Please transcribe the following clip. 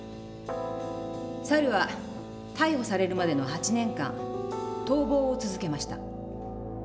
猿は逮捕されるまでの８年間逃亡を続けました。